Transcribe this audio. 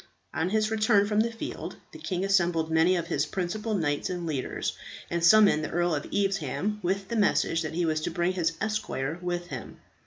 On his return from the field, the king assembled many of his principal knights and leaders, and summoned the Earl of Evesham, with the message that he was to bring his esquire with him.